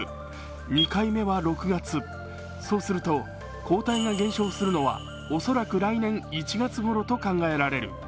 ２回目は６月、そうすると抗体が減少するのは恐らく来年１月ごろと考えられる。